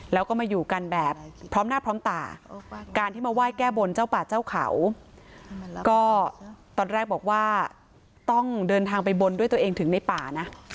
แล้วก็มาอยู่กันแบบพร้อมหน้าพร้อมตาการที่มาไหว้แก้บนเจ้าป่าเจ้าเขาก็ตอนแรกบอกว่าต้องเดินทางไปบนด้วยตัวเองถึงในป่านะ